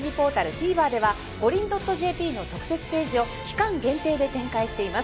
ＴＶｅｒではｇｏｒｉｎ．ｊｐの特設ページを期間限定で展開しています。